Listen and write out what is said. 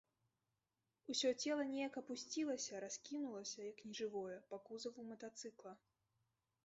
Усё цела неяк апусцілася, раскінулася, як нежывое, па кузаву матацыкла.